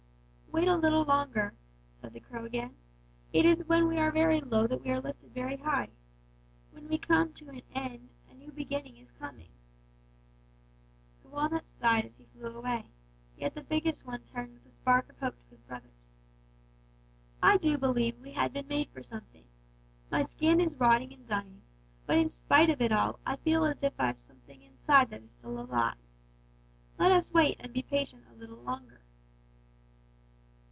"'Wait a little longer,' said the crow again; 'it is when we are very low that we are lifted very high. When we come to an end a new beginning is coming.' "The walnuts sighed as he flew away; yet the biggest one turned with a spark of hope to his brothers. "'I do believe we have been made for something. My skin is rotting and dying, but in spite of it all I feel as if I have something inside that is still alive. Let us wait and be patient a little longer.'